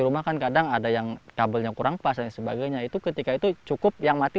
rumah kan kadang ada yang kabelnya kurang pas dan sebagainya itu ketika itu cukup yang mati